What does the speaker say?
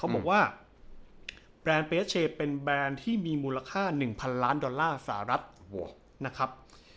บอกว่าแบรนด์เปสเชเป็นแบรนด์ที่มีมูลค่า๑๐๐๐ล้านดอลลาร์สหรัฐนะครับ